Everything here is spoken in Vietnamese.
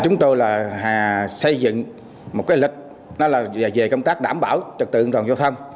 chúng tôi là xây dựng một cái lịch về công tác đảm bảo trật tự an toàn giao thông